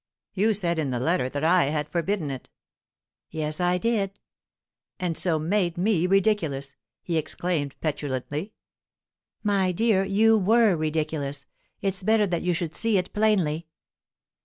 "You said in the letter that I had forbidden it?" "Yes, I did." "And so made me ridiculous!" he exclaimed petulantly. "My dear, you were ridiculous. It's better that you should see it plainly."